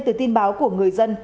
từ tin báo của người dân